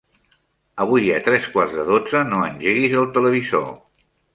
Avui a tres quarts de dotze no engeguis el televisor.